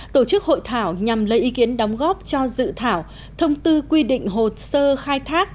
tổ chức hội thảo nhằm lấy ý kiến đóng góp cho dự thảo thông tư quy định hồ sơ khai thác